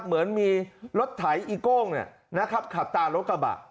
เหมือนมีรถไถอีโก้งเนี่ยนะครับขับตารถกระบะ